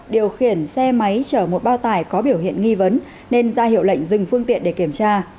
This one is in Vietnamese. điều khiển xe máy chở một bao tải có biểu hiện nghi vấn nên ra hiệu lệnh dừng phương tiện để kiểm tra